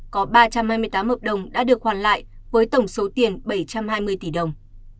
có ba trăm hai mươi tám hợp đồng đã được hoàn lại với tổng số tiền bảy trăm hai mươi tỷ đồng